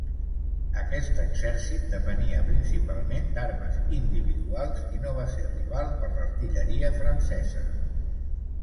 Aquest exèrcit depenia principalment d'armes individuals i no va ser rival per l'artilleria francesa.